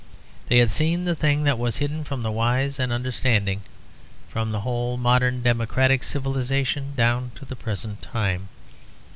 They had seen the thing that was hidden from the wise and understanding, from the whole modern democratic civilization down to the present time.